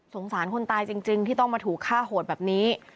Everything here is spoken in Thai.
สารคนตายจริงที่ต้องมาถูกฆ่าโหดแบบนี้